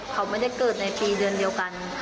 เขาไม่ได้เกิดในปีเดือนเดียวกัน